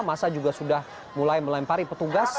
masa juga sudah mulai melempari petugas